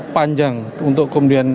panjang untuk kemudian